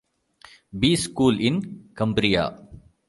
Bees School in Cumbria.